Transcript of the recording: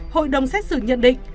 hội đồng xét xử nhận định